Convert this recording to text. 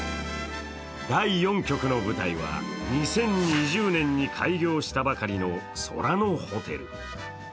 第４局の舞台は２０２０年に開業したばかりのソラノホテル。